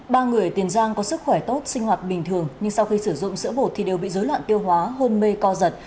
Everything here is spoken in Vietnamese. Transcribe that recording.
ba người tiền giang có sức khỏe tốt sinh hoạt bình thường nhưng sau khi sử dụng sữa bột thì đều bị dối loạn tiêu hóa hôn mê co giật